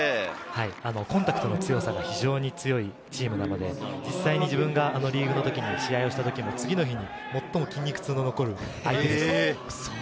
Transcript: コンタクトの強さが非常に強いチームなので、実際に自分がリーグの時も試合した時も次の日、最も筋肉痛の残る相手でした。